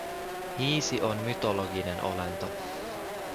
Hiisi on mytologinen olento.